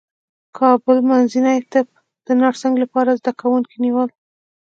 کابل منځني طب د نرسنګ لپاره زدکوونکي نیول